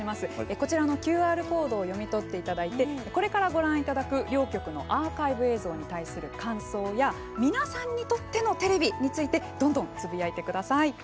こちらのＱＲコードを読み取っていただいてこれからご覧いただく両局のアーカイブ映像に対する感想や皆さんにとってのテレビについてどんどんつぶやいてください。